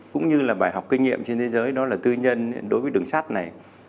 cũng như là bài học kinh nghiệm trên thế giới đó là tư nhân đối với đường sắt này